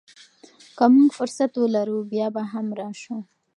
که موږ فرصت ولرو، بیا به هم راشو.